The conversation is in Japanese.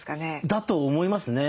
だと思いますね。